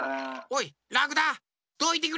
おい！